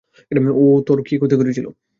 ও তোর কী ক্ষতি করেছিল?